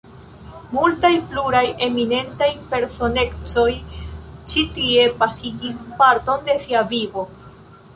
Multaj pluraj eminentaj personecoj ĉi tie pasigis parton de sia vivo.